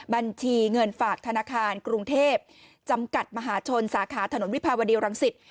บัญชีเงินฝากธนาคารกรุงเทพจำกัดมหาชนสาขาถนนวิภาวดีรังสิต